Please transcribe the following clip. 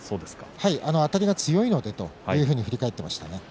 あたりが強いので、というふうに振り返っていましたね。